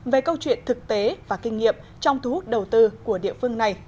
về câu chuyện thực tế và kinh nghiệm trong thu hút đầu tư của địa phương này